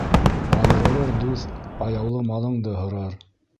Айырылыр дуҫ аяулы малыңды һорар.